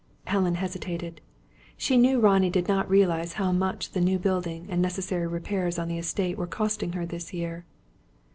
Helen hesitated. She knew Ronnie did not realise how much the new building and necessary repairs on the estate were costing her this year.